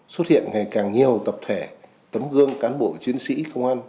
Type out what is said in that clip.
xuất hiện ngày càng nhiều tập thể tấm gương cán bộ chiến sĩ công an